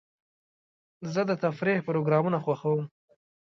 زه د تفریح پروګرامونه خوښوم.